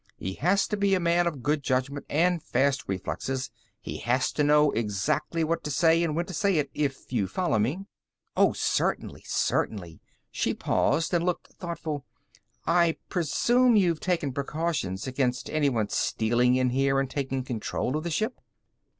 He has to be a man of good judgment and fast reflexes. He has to know exactly what to say and when to say it, if you follow me." "Oh, certainly; certainly." She paused and looked thoughtful. "I presume you've taken precautions against anyone stealing in here and taking control of the ship."